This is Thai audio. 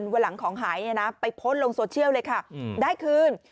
วันหลังของหายไปโพสต์ลงโซเชียลเลยค่ะได้คืน